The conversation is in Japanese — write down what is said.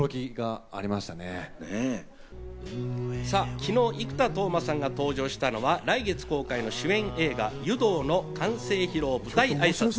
昨日、生田斗真さんが登場したのは来月公開の主演映画『湯道』の完成披露舞台挨拶。